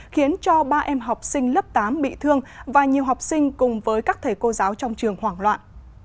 khiến cho ba em học sinh lớp tám bị thương và nhiều học sinh cùng với các thầy cô giáo trong trường hoảng loạn